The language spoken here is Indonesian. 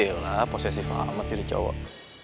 yalah posesif banget jadi cowok